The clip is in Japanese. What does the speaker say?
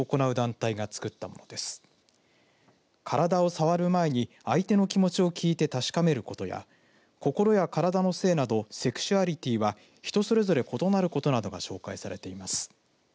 体をさわる前に、相手の気持ちを聞いて確かめることや心や体の性などセクシュアリティーは人それぞれ異なることなどが紹介されています。